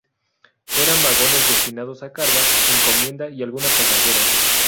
Eran vagones destinados a carga, encomienda y algunos pasajeros.